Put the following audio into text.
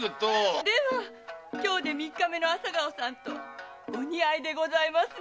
〔では今日で三日目の朝顔さんとお似合いですね〕